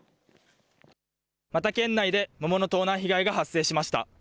また県内で桃の盗難被害が発生しました。